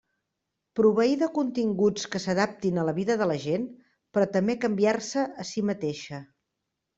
Proveir de continguts que s'adaptin a la vida de la gent, però també canviar-se a si mateixa.